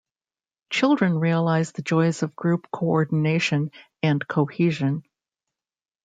Children realize the joys of group co-ordination and cohesion.